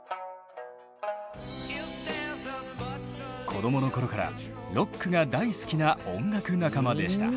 子どもの頃からロックが大好きな音楽仲間でした。